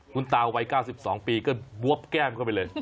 คุณตาวัย๙๒ปีก็บวบแก้มเข้าไปเลย